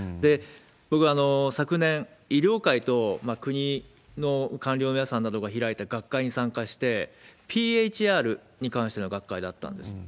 僕、昨年、医療界と国の官僚の皆さんなどが開いた学会に参加して、ＰＨＡＲに関しての学会だったんです。